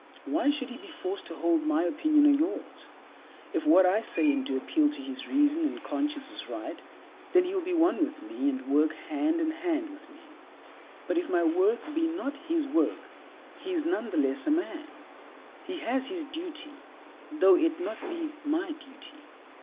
Why should he be forced to hold my opinion or yours? If what I say and do appeal to his reason and conscience as right, then he will be one with me and will work hand and hand with me. But if my work be not his work, he is nonetheless a man. He has his duty, though it not be my duty.